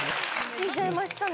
死んじゃいましたね。